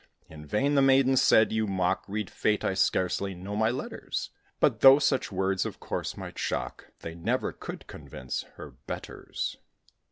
In vain the maiden said, "You mock. Read Fate! I scarcely know my letters!" But though such words, of course, might shock, They never could convince "her betters."